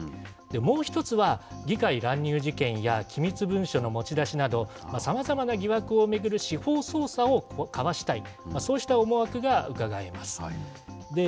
もう１つは議会乱入事件や機密文書の持ち出しなど、さまざまな疑惑を巡る司法捜査をかわしたい、そうした思惑がうかがえます。